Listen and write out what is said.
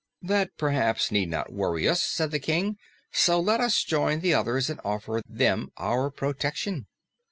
"That 'perhaps' need not worry us," said the King, "so let us join the others and offer them our protection."